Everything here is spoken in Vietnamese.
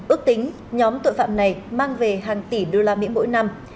ước tính nhóm tội phạm này mang về hàng tỷ usd mỗi năm